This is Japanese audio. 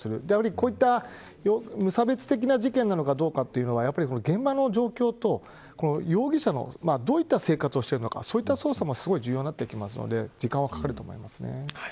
こういった無差別的な事件なのかどうかというのは現場の状況と容疑者のどういった生活をしているのかそういった捜査も重要になってくるので時間はかかると思います。